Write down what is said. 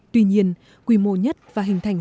tuy nhiên quy mô nhất và hình thành